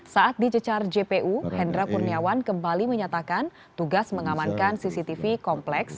saat dicecar jpu hendra kurniawan kembali menyatakan tugas mengamankan cctv kompleks